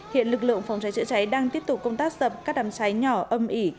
hiện lực lượng phòng cháy chữa cháy đang tiếp tục công tác dập các đàm cháy nhỏ âm ỉ